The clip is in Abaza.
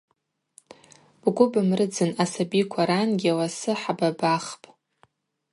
Бгвы бымрыдзын, асабиква рангьи, ласы хӏабабахпӏ.